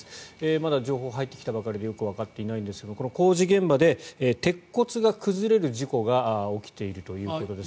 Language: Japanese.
まだ情報入ってきたばかりでよくわかっていないんですが工事現場で鉄骨が崩れる事故が起きているということです。